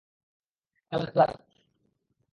Colour, colour!